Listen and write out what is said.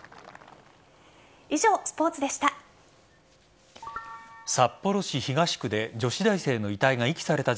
以上、スポーツでした。